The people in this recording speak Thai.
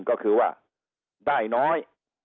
ก็คือว่าได้น้อย